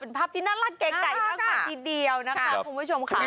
เป็นภาพที่น่ารักใกล้มากดีเดียวนะคะคุณผู้ชมค่ะ